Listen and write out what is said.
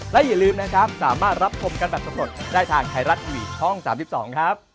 และอย่าลืมนะครับสามารถรับชมกันแบบสำรวจได้ทางไทยรัฐทีวีช่อง๓๒ครับ